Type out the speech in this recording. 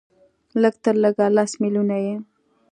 لږ تر لږه لس ملیونه یې